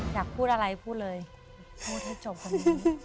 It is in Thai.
อยากพูดอะไรพูดเลยพูดให้จบค่ะ